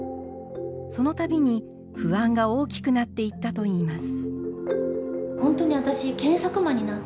その度に不安が大きくなっていったといいます。